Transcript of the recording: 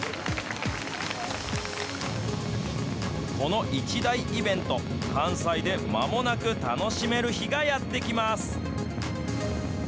この一大イベント、関西でまもなく楽しめる日がやって来ます。